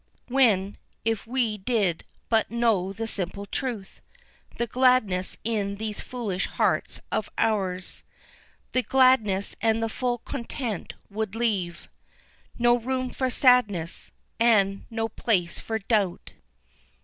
When, if we did but know the simple truth, The gladness in these foolish hearts of ours The gladness and the full content would leave No room for sadness, and no place for doubt.